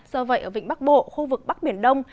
do vậy ở vịnh bắc bộ khu vực bắc biển đông